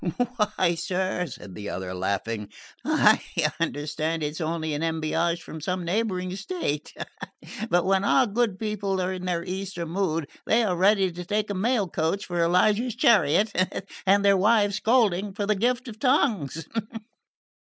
"Why, sir," said the other laughing, "I understand it is only an Embassage from some neighbouring state; but when our good people are in their Easter mood they are ready to take a mail coach for Elijah's chariot and their wives' scolding for the Gift of Tongues."